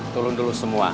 tulung dulu semua